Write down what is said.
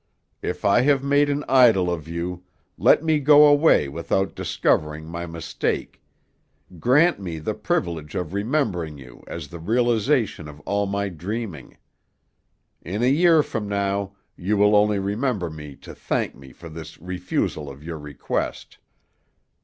If I have made an idol of you, let me go away without discovering my mistake; grant me the privilege of remembering you as the realization of all my dreaming. In a year from now you will only remember me to thank me for this refusal of your request."